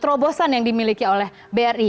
terobosan yang dimiliki oleh bri